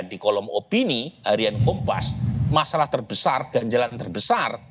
di kolom opini harian kompas masalah terbesar ganjalan terbesar